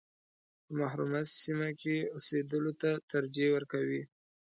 په محرومه سیمه کې اوسېدلو ته ترجیح ورکوي.